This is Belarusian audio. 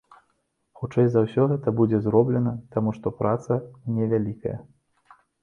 Хутчэй за ўсё, гэта будзе зроблена, таму што праца невялікая.